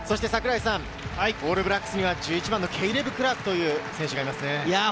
オールブラックスには１１番のケイレブ・クラークがいます。